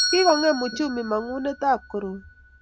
Kikongem uchumi mongunetab koroi